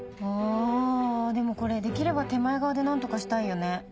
あぁでもこれできれば手前側で何とかしたいよね。